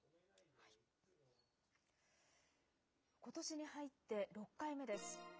ことしに入って６回目です。